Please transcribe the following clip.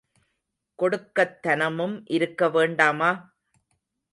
கொடுக்கத் தனமும் இருக்க வேண்டாமா?